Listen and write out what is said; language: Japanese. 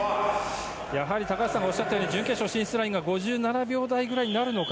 高橋さんがおっしゃったように準決勝進出ラインが５７秒台くらいになるのか。